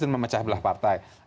dan memecah belah partai